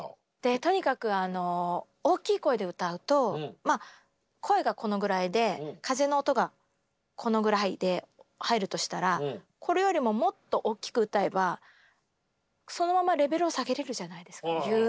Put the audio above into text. とにかく大きい声で歌うと声がこのぐらいで風の音がこのぐらいで入るとしたらこれよりももっと大きく歌えばそのままレベルを下げれるじゃないですかギューッと。